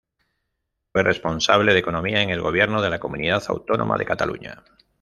Fue responsable de Economía en el Gobierno de la comunidad autónoma de Cataluña.